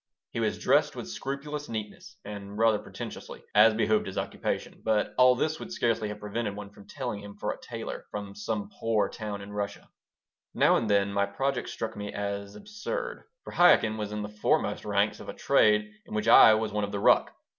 He was dressed with scrupulous neatness and rather pretentiously, as behooved his occupation, but all this would scarcely have prevented one from telling him for a tailor from some poor town in Russia Now and then my project struck me as absurd. For Chaikin was in the foremost ranks of a trade in which I was one of the ruck.